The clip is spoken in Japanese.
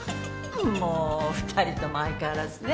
んも２人とも相変わらずね。